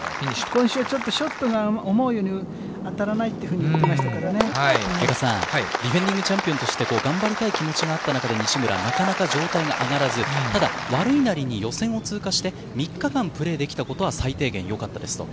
今週、ちょっとショットが思うように当たらないというふうに言ってまし外賀さん、ディフェンディングチャンピオンとして、頑張りたいという気持ちがあった中で西村、なかなか状態が上がらず、ただ、悪いなりに予選を通過して、３日間プレーできたことは最低限よかったですと。